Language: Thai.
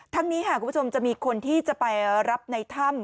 นี้ค่ะคุณผู้ชมจะมีคนที่จะไปรับในถ้ำ